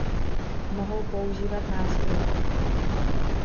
Mohou používat nástroje.